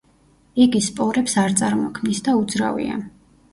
იგი სპორებს არ წარმოქმნის და უძრავია.